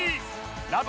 ラブ！！